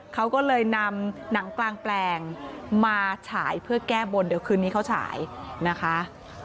เขาก็เลยนำหนังกลางแปลงมาฉายเพื่อแก้บนเดี๋ยวคืนนี้เขาฉายนะคะ